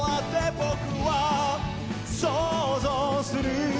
「僕は想像する」